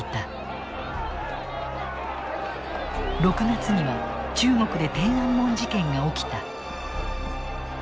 ６月には中国で天安門事件が起きた。